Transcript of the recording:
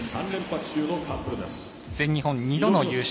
全日本、２度の優勝。